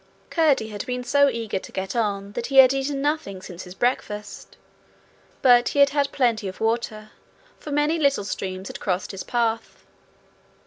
Curdie had been so eager to get on that he had eaten nothing since his breakfast. But he had had plenty of water, for Many little streams had crossed his path.